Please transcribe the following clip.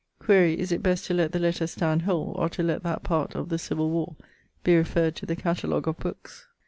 ] Quaere is it best to let the letter stand whole or to let that part, of the Civill Warr, be referred to the catalogue of bookes?